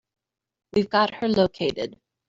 We've got her located.